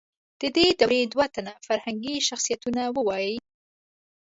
د دې دورې دوه تنه فرهنګي شخصیتونه ووایئ.